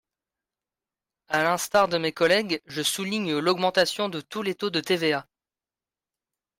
À l’instar de mes collègues, je souligne l’augmentation de tous les taux de TVA.